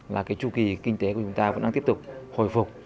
là tru kỳ kinh tế của chúng ta vẫn đang tiếp tục hồi phục